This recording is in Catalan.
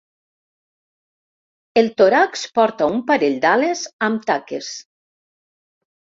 El tòrax porta un parell d'ales amb taques.